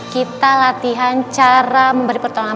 kita latihan cara memberi pertolongan